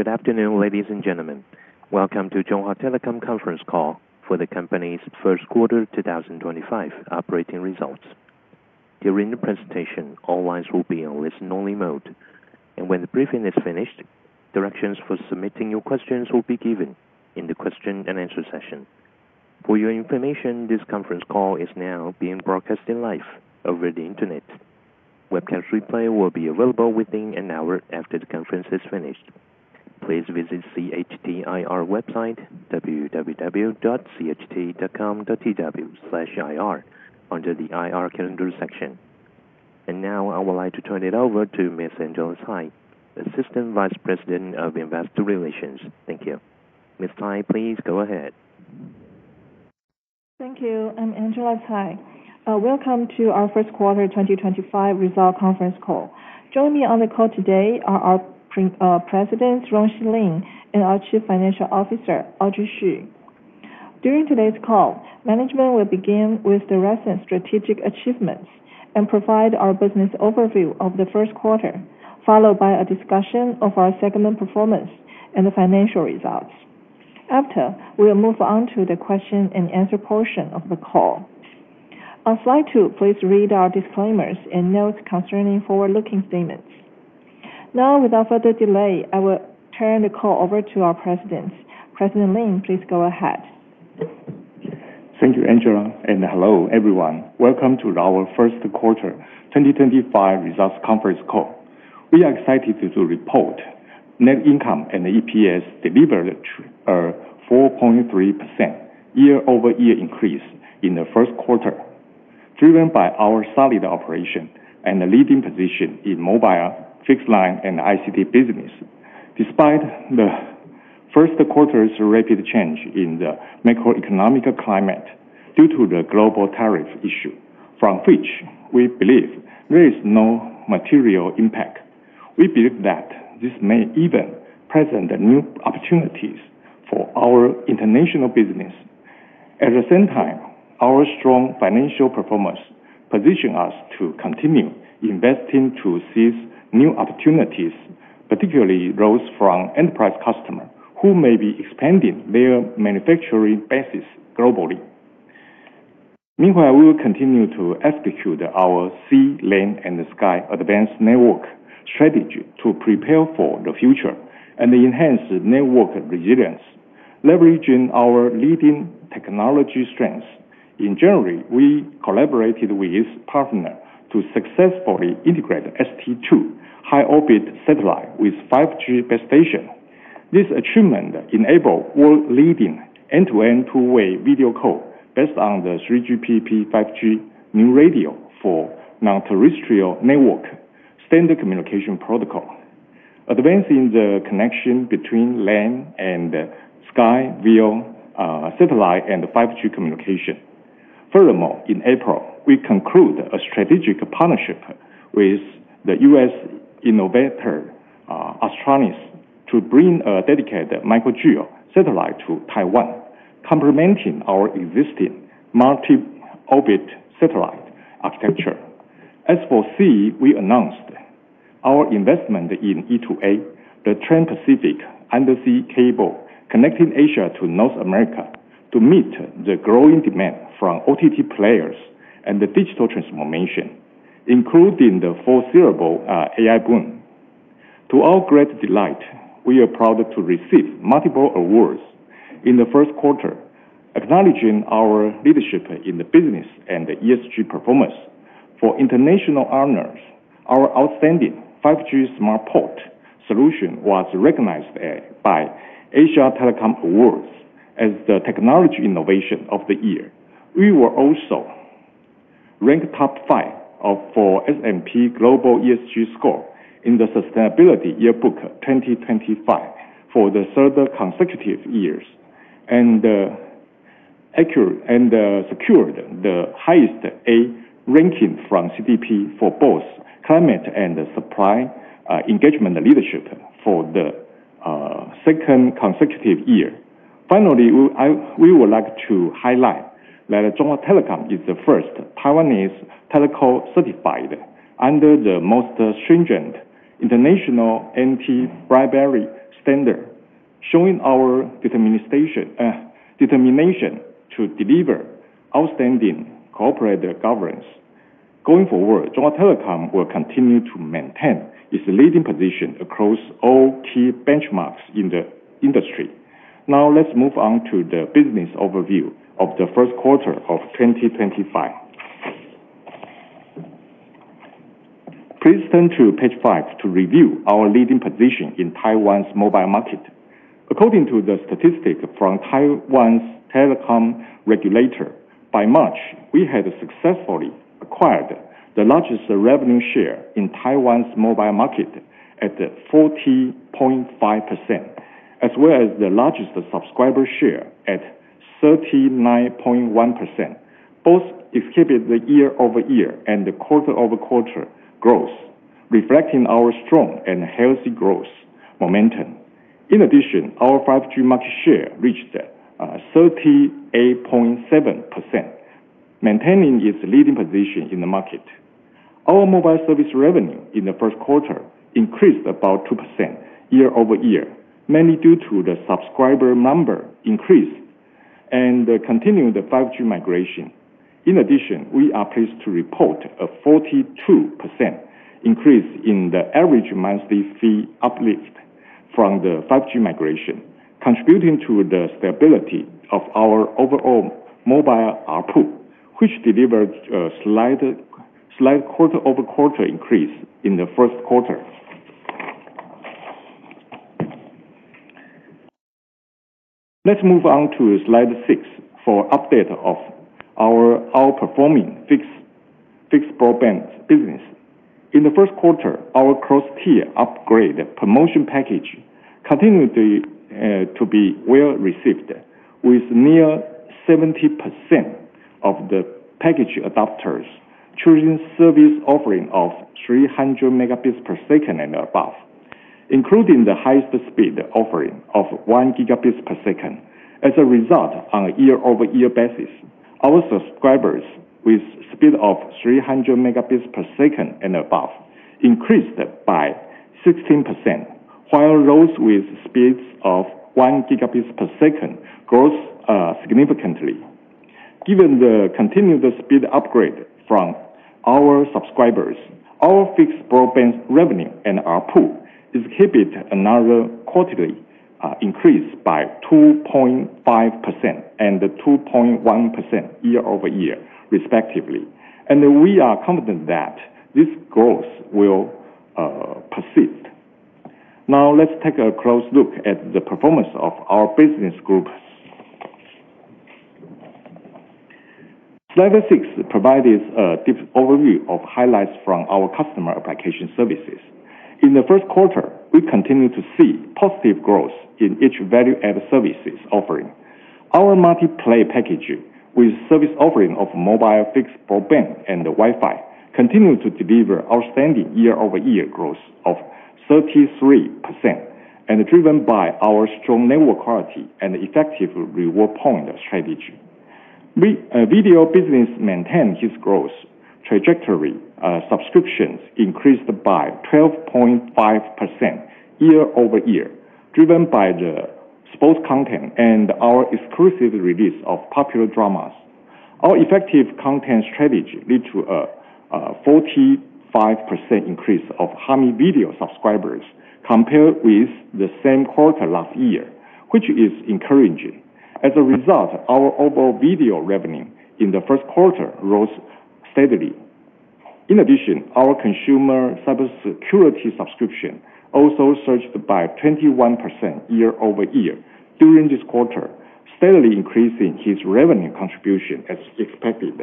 Good afternoon, ladies and gentlemen. Welcome to Chunghwa Telecom Conference Call for the company's first quarter 2025 operating results. During the presentation, all lines will be on listen-only mode, and when the briefing is finished, directions for submitting your questions will be given in the question-and-answer session. For your information, this conference call is now being broadcast live over the internet. Webcam replay will be available within an hour after the conference is finished. Please visit CHT IR website www.cht.com.tw/ir under the IR calendar section. And now, I would like to turn it over to Ms. Angela Tsai, Assistant Vice President of Investor Relations. Thank you. Ms. Tsai, please go ahead. Thank you. I'm Angela Tsai. Welcome to our first quarter 2025 result conference call. Joining me on the call today are our President, Rong-Syh Lin, and our Chief Financial Officer, Audrey Hsu. During today's call, management will begin with the recent strategic achievements and provide our business overview of the first quarter, followed by a discussion of our segment performance and the financial results. After we'll move on to the question-and-answer portion of the call. On slide two, please read our disclaimers and notes concerning forward-looking statements. Now, without further delay, I will turn the call over to our presidents. President Lin, please go ahead. Thank you, Angela, and hello everyone. Welcome to our first quarter 2025 results conference call. We are excited to report net income and EPS delivered a 4.3% year-over-year increase in the first quarter, driven by our solid operation and leading position in mobile, fixed-line, and ICT business, despite the first quarter's rapid change in the macroeconomic climate due to the global tariff issue, from which we believe there is no material impact. We believe that this may even present new opportunities for our international business. At the same time, our strong financial performance positions us to continue investing to seize new opportunities, particularly those from enterprise customers who may be expanding their manufacturing bases globally. Meanwhile, we will continue to execute our Sea-Land-Sky Advanced Network strategy to prepare for the future and enhance network resilience, leveraging our leading technology strengths. In January, we collaborated with partners to successfully integrate ST-2 high-orbit satellite with 5G base station. This achievement enabled world-leading end-to-end two-way video call based on the 3GPP 5G New Radio for Non-Terrestrial Network standard communication protocol, advancing the connection between land and sky via satellite and 5G communication. Furthermore, in April, we concluded a strategic partnership with the U.S. innovator Astranis to bring a dedicated micro-GEO satellite to Taiwan, complementing our existing multi-orbit satellite architecture. As for Sea, we announced our investment in E2A, the Trans-Pacific undersea cable connecting Asia to North America, to meet the growing demand from OTT players and the digital transformation, including the foreseeable AI boom. To our great delight, we are proud to receive multiple awards in the first quarter, acknowledging our leadership in the business and ESG performance. For international honors, our outstanding 5G smart port solution was recognized by Asia Telecom Awards as the Technology Innovation of the Year. We were also ranked top five for S&P Global ESG Score in the Sustainability Yearbook 2025 for the third consecutive year, and secured the highest A ranking from CDP for both climate and supplier engagement leadership for the second consecutive year. Finally, we would like to highlight that Chunghwa Telecom is the first Taiwanese telco certified under the most stringent international anti-bribery standard, showing our determination to deliver outstanding corporate governance. Going forward, Chunghwa Telecom will continue to maintain its leading position across all key benchmarks in the industry. Now, let's move on to the business overview of the first quarter of 2025. Please turn to page five to review our leading position in Taiwan's mobile market. According to the statistics from Taiwan's telecom regulator, by March, we had successfully acquired the largest revenue share in Taiwan's mobile market at 40.5%, as well as the largest subscriber share at 39.1%. Both exhibit the year-over-year and the quarter-over-quarter growth, reflecting our strong and healthy growth momentum. In addition, our 5G market share reached 38.7%, maintaining its leading position in the market. Our mobile service revenue in the first quarter increased about 2% year-over-year, mainly due to the subscriber number increase and continued 5G migration. In addition, we are pleased to report a 42% increase in the average monthly fee uplift from the 5G migration, contributing to the stability of our overall mobile ARPU, which delivered a slight quarter-over-quarter increase in the first quarter. Let's move on to slide six for an update of our outperforming fixed broadband business. In the first quarter, our cross-tier upgrade promotion package continued to be well received, with near 70% of the package adopters choosing service offering of 300 megabits per second and above, including the highest speed offering of one gigabit per second. As a result, on a year-over-year basis, our subscribers with speed of 300 megabits per second and above increased by 16%, while those with speeds of one gigabit per second grew significantly. Given the continued speed upgrade from our subscribers, our fixed broadband revenue and ARPU exhibit another quarterly increase by 2.5% and 2.1% year-over-year, respectively. We are confident that this growth will persist. Now, let's take a close look at the performance of our business group. Slide six provides a deep overview of highlights from our customer application services. In the first quarter, we continue to see positive growth in each value-added services offering. Our multi-player package, with service offering of mobile fixed broadband and Wi-Fi, continues to deliver outstanding year-over-year growth of 33%, driven by our strong network quality and effective reward point strategy. Video business maintains its growth trajectory. Subscriptions increased by 12.5% year-over-year, driven by the sports content and our exclusive release of popular dramas. Our effective content strategy led to a 45% increase of Hami Video subscribers compared with the same quarter last year, which is encouraging. As a result, our overall video revenue in the first quarter rose steadily. In addition, our consumer cybersecurity subscription also surged by 21% year-over-year during this quarter, steadily increasing its revenue contribution as expected.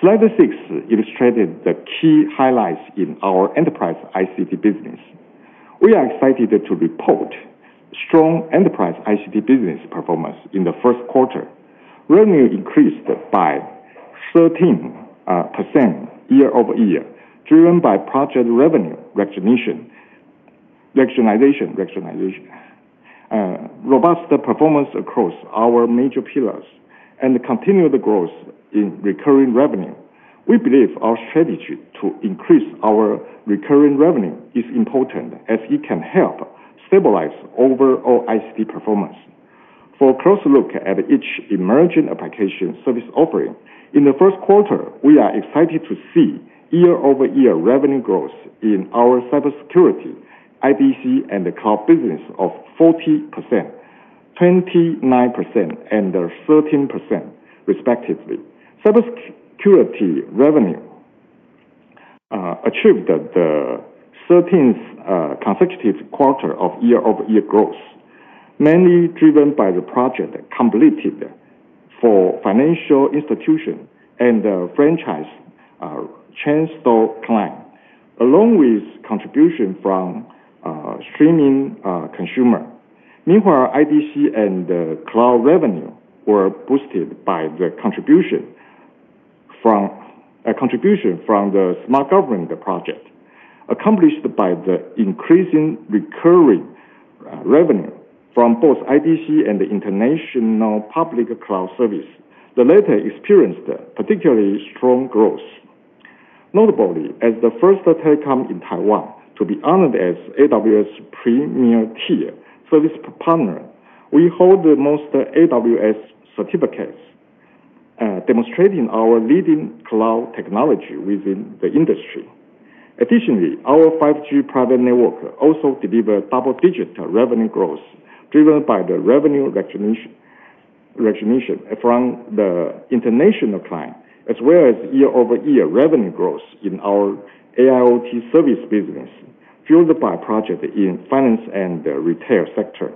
Slide six illustrated the key highlights in our enterprise ICT business. We are excited to report strong enterprise ICT business performance in the first quarter. Revenue increased by 13% year-over-year, driven by project revenue recognition, robust performance across our major pillars, and continued growth in recurring revenue. We believe our strategy to increase our recurring revenue is important, as it can help stabilize overall ICT performance. For a close look at each emerging application service offering, in the first quarter, we are excited to see year-over-year revenue growth in our cybersecurity, IBC, and cloud business of 40%, 29%, and 13%, respectively. Cybersecurity revenue achieved the 13th consecutive quarter of year-over-year growth, mainly driven by the project completed for financial institutions and franchise chain store clients, along with contribution from streaming consumers. Meanwhile, IDC and cloud revenue were boosted by the contribution from the smart government project, accomplished by the increasing recurring revenue from both IDC and the international public cloud service. The latter experienced particularly strong growth. Notably, as the first telecom in Taiwan to be honored as AWS Premier Tier Service Partner, we hold the most AWS certificates, demonstrating our leading cloud technology within the industry. Additionally, our 5G private network also delivered double-digit revenue growth, driven by the revenue recognition from the international client, as well as year-over-year revenue growth in our AIoT service business, fueled by projects in finance and the retail sector.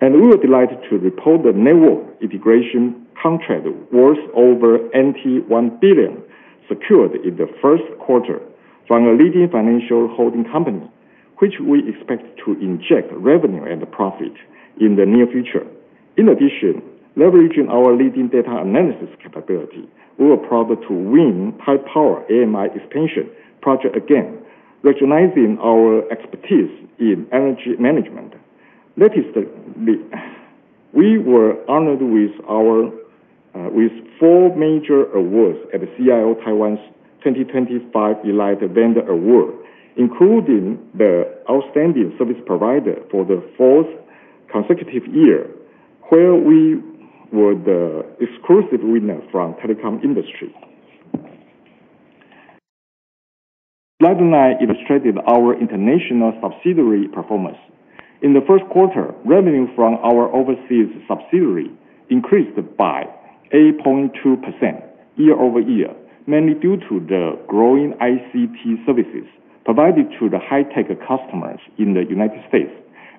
And we were delighted to report the network integration contract worth over NT 1 billion secured in the first quarter from a leading financial holding company, which we expect to inject revenue and profit in the near future. In addition, leveraging our leading data analysis capability, we were proud to win high-power AMI expansion project again, recognizing our expertise in energy management. That is, we were honored with four major awards at the CIO Taiwan's 2025 Elite Vendor Awards, including the Outstanding Service Provider for the fourth consecutive year, where we were the exclusive winner from telecom industry. Slide nine illustrated our international subsidiary performance. In the first quarter, revenue from our overseas subsidiary increased by 8.2% year-over-year, mainly due to the growing ICT services provided to the high-tech customers in the United States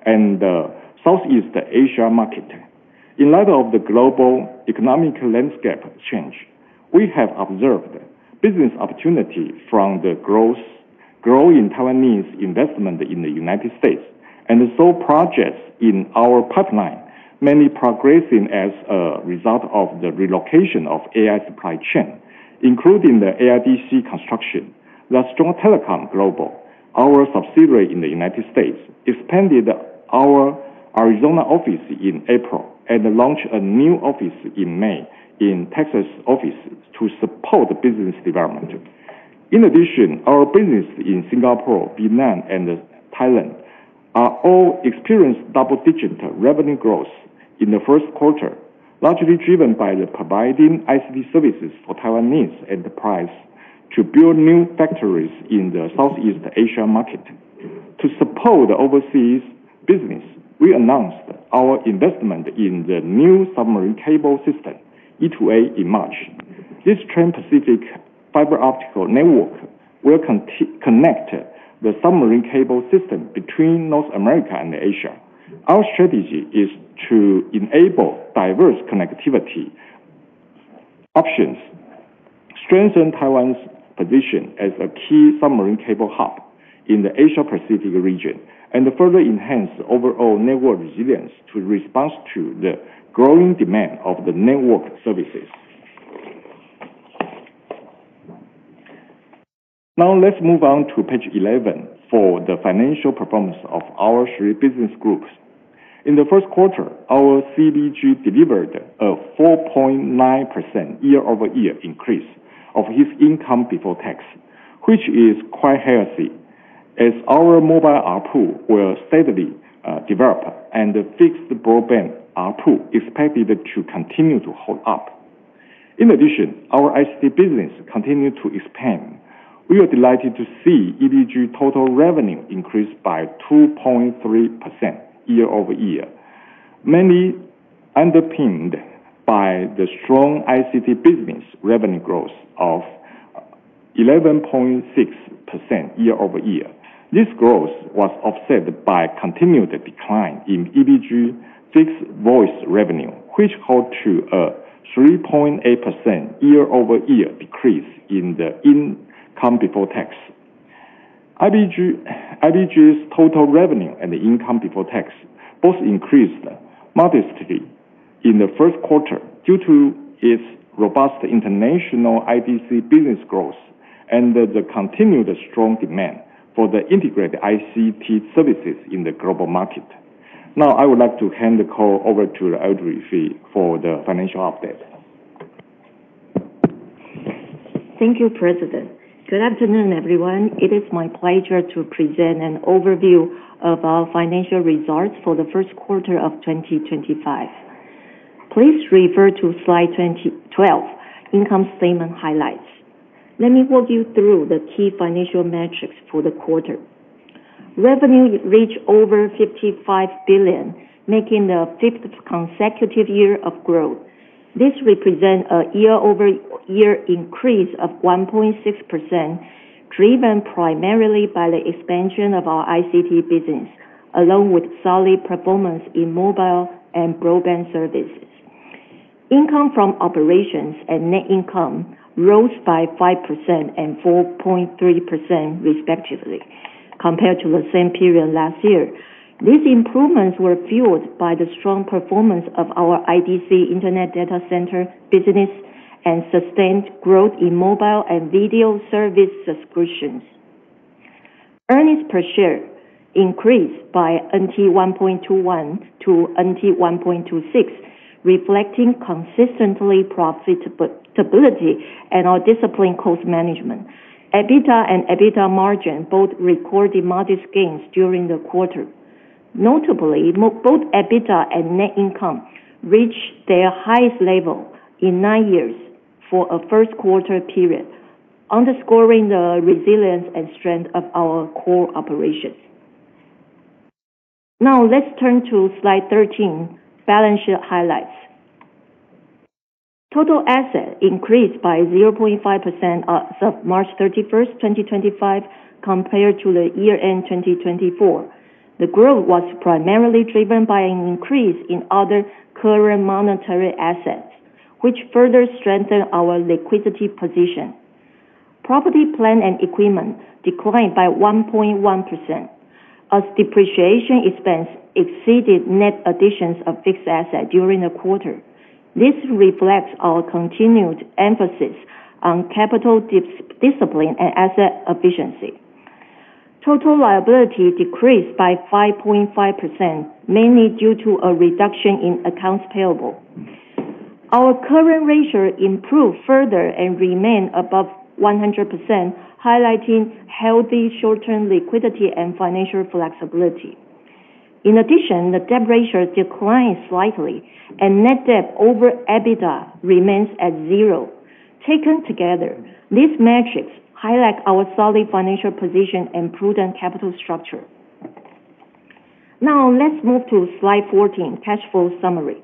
and the Southeast Asia market. In light of the global economic landscape change, we have observed business opportunities from the growing Taiwanese investment in the United States, and so projects in our pipeline mainly progressing as a result of the relocation of AI supply chain, including the AIDC construction. Chunghwa Telecom Global, our subsidiary in the United States, expanded our Arizona office in April and launched a new office in May in Texas to support business development. In addition, our business in Singapore, Vietnam, and Thailand all experienced double-digit revenue growth in the first quarter, largely driven by providing ICT services for Taiwanese enterprises to build new factories in the Southeast Asia market. To support the overseas business, we announced our investment in the new submarine cable system, E2A, in March. This Trans-Pacific fiber optical network will connect the submarine cable system between North America and Asia. Our strategy is to enable diverse connectivity options, strengthen Taiwan's position as a key submarine cable hub in the Asia-Pacific region, and further enhance overall network resilience to respond to the growing demand of the network services. Now, let's move on to page 11 for the financial performance of our three business groups. In the first quarter, our CBG delivered a 4.9% year-over-year increase of its income before tax, which is quite healthy, as our mobile ARPU will steadily develop and fixed broadband ARPU expected to continue to hold up. In addition, our ICT business continued to expand. We are delighted to see EBG total revenue increased by 2.3% year-over-year, mainly underpinned by the strong ICT business revenue growth of 11.6% year-over-year. This growth was offset by continued decline in EBG fixed voice revenue, which held to a 3.8% year-over-year decrease in the income before tax. IBG's total revenue and the income before tax both increased modestly in the first quarter due to its robust international IDC business growth and the continued strong demand for the integrated ICT services in the global market. Now, I would like to hand the call over to Audrey Wen-Hsin Hsu for the financial update. Thank you, President. Good afternoon, everyone. It is my pleasure to present an overview of our financial results for the first quarter of 2025. Please refer to slide 12, Income Statement Highlights. Let me walk you through the key financial metrics for the quarter. Revenue reached over 55 billion, making the fifth consecutive year of growth. This represents a year-over-year increase of 1.6%, driven primarily by the expansion of our ICT business, along with solid performance in mobile and broadband services. Income from operations and net income rose by 5% and 4.3%, respectively, compared to the same period last year. These improvements were fueled by the strong performance of our IDC Internet Data Center business and sustained growth in mobile and video service subscriptions. Earnings per share increased by NT 1.21 to NT 1.26, reflecting consistent profitability and our disciplined cost management. EBITDA and EBITDA margin both recorded modest gains during the quarter. Notably, both EBITDA and net income reached their highest level in nine years for a first quarter period, underscoring the resilience and strength of our core operations. Now, let's turn to slide 13, Balance Sheet Highlights. Total assets increased by 0.5% as of March 31, 2025, compared to the year-end 2024. The growth was primarily driven by an increase in other current monetary assets, which further strengthened our liquidity position. Property, plant and equipment declined by 1.1%, as depreciation expense exceeded net additions of fixed assets during the quarter. This reflects our continued emphasis on capital discipline and asset efficiency. Total liabilities decreased by 5.5%, mainly due to a reduction in accounts payable. Our current ratio improved further and remained above 100%, highlighting healthy short-term liquidity and financial flexibility. In addition, the debt ratio declined slightly, and net debt over EBITDA remains at zero. Taken together, these metrics highlight our solid financial position and prudent capital structure. Now, let's move to slide 14, Cash Flow Summary.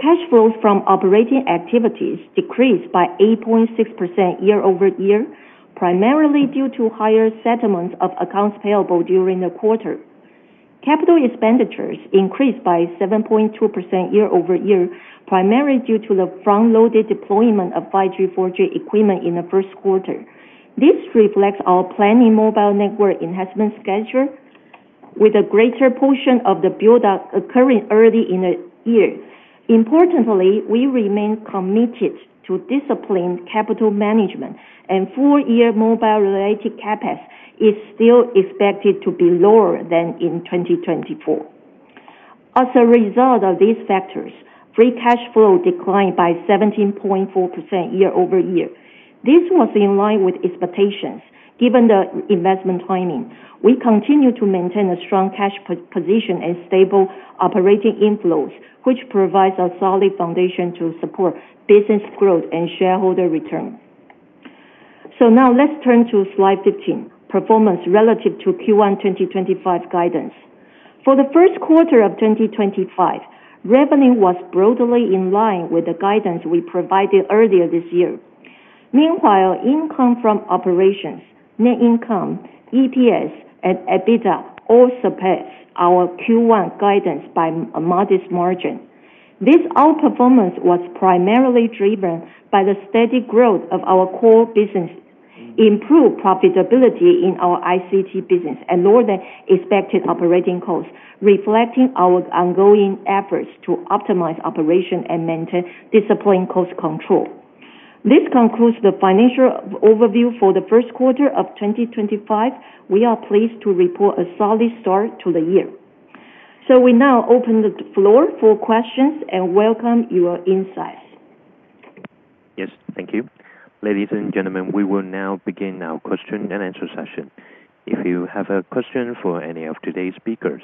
Cash flows from operating activities decreased by 8.6% year-over-year, primarily due to higher settlements of accounts payable during the quarter. Capital expenditures increased by 7.2% year-over-year, primarily due to the front-loaded deployment of 5G, 4G equipment in the first quarter. This reflects our planned mobile network enhancement schedule, with a greater portion of the build-up occurring early in the year. Importantly, we remain committed to disciplined capital management, and four-year mobile-related CapEx is still expected to be lower than in 2024. As a result of these factors, free cash flow declined by 17.4% year-over-year. This was in line with expectations, given the investment timing. We continue to maintain a strong cash position and stable operating inflows, which provides a solid foundation to support business growth and shareholder return. So now, let's turn to slide 15, Performance relative to Q1 2025 guidance. For the first quarter of 2025, revenue was broadly in line with the guidance we provided earlier this year. Meanwhile, income from operations, net income, EPS, and EBITDA all surpassed our Q1 guidance by a modest margin. This outperformance was primarily driven by the steady growth of our core business, improved profitability in our ICT business, and lower than expected operating costs, reflecting our ongoing efforts to optimize operations and maintain disciplined cost control. This concludes the financial overview for the first quarter of 2025. We are pleased to report a solid start to the year. So we now open the floor for questions and welcome your insights. Yes, thank you. Ladies and gentlemen, we will now begin our question and answer session. If you have a question for any of today's speakers,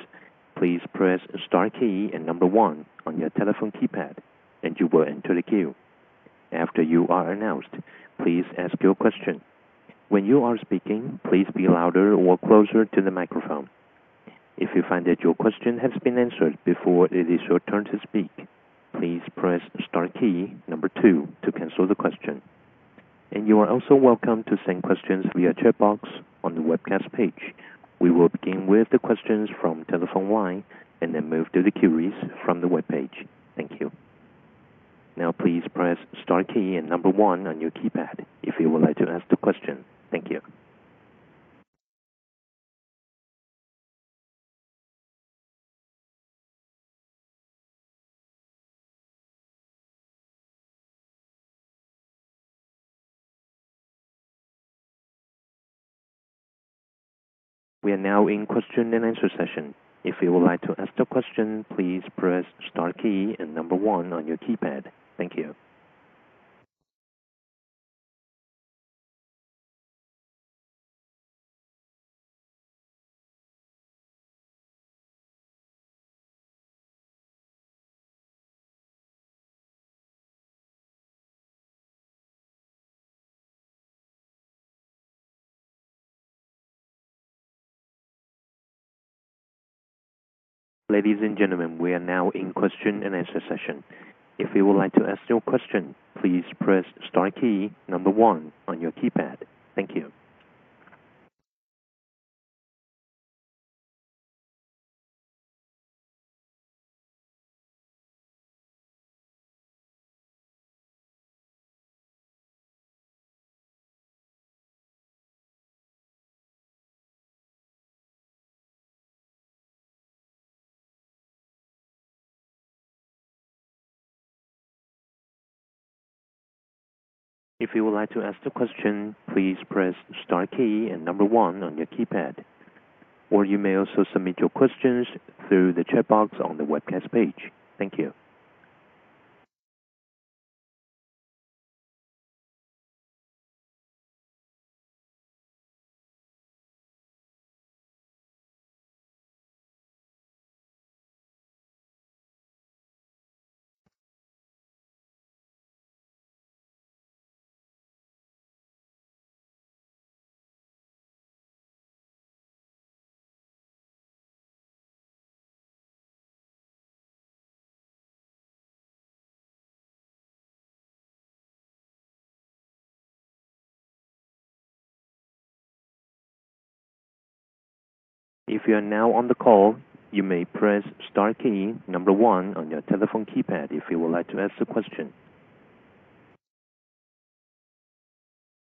please press the star key and number one on your telephone keypad, and you will enter the queue. After you are announced, please ask your question. When you are speaking, please be louder or closer to the microphone. If you find that your question has been answered before it is your turn to speak, please press the star key, number two, to cancel the question. And you are also welcome to send questions via chat box on the webcast page. We will begin with the questions from telephone line and then move to the Q&A from the webpage. Thank you. Now, please press the star key and number one on your keypad if you would like to ask the question. Thank you. We are now in question and answer session. If you would like to ask the question, please press the star key and number one on your keypad. Thank you. Ladies and gentlemen, we are now in question and answer session. If you would like to ask your question, please press the star key, number one on your keypad. Thank you. If you would like to ask the question, please press the star key and number one on your keypad. Or you may also submit your questions through the chat box on the webcast page. Thank you. If you are now on the call, you may press the star key, number one on your telephone keypad if you would like to ask the question.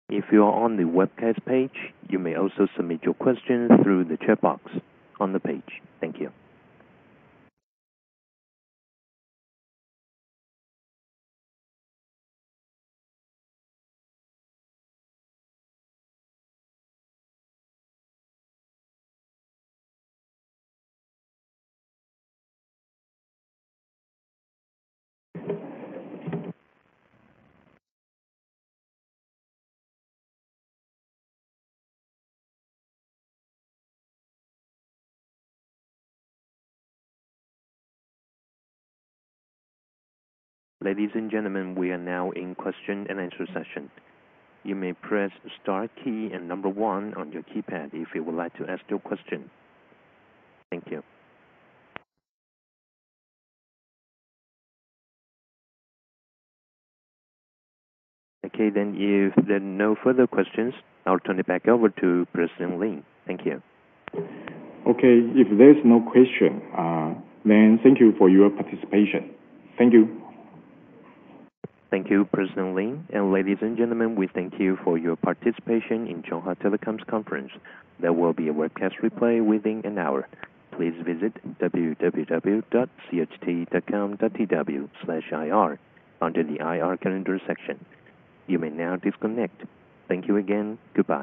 If you are on the webcast page, you may also submit your questions through the chat box on the page. Thank you. Ladies and gentlemen, we are now in question and answer session. You may press the star key and number one on your keypad if you would like to ask your question. Thank you. Okay, then if there are no further questions, I'll turn it back over to President Lin. Thank you. Okay, if there's no question, then thank you for your participation. Thank you. Thank you, President Lin. And ladies and gentlemen, we thank you for your participation in Chunghwa Telecom's conference. There will be a webcast replay within an hour. Please visit www.cht.com.tw/ir under the IR calendar section. You may now disconnect. Thank you again. Goodbye.